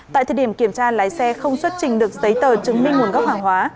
tại thời điểm kiểm tra lái xe không xuất trình được giấy tờ chứng minh nguồn gốc hàng hóa